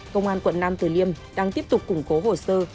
công an quận nam tử liêm đang tiếp tục củng cố hồ sơ